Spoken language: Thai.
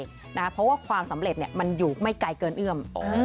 เพราะว่าความสำเร็จมันอยู่ไม่ไกลเกินเอื้อม